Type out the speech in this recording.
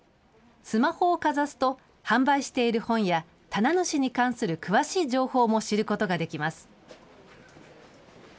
スマホをかざすと、販売している本や、棚主に関する詳しい情報も知ることができます。